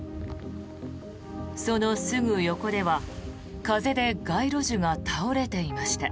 そのすぐ横では風で街路樹が倒れていました。